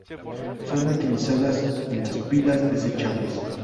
Son utilizadas en las pilas desechables.